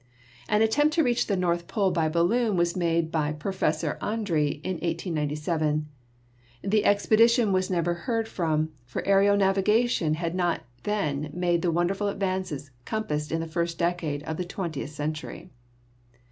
An attempt to reach the North Pole by balloon was made by Prof. Andree in 1897. The expedition was never heard from, for aero navigation had not then made the wonderful advances compassed in the first decade of the twentieth century.